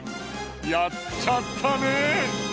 やっちゃったね。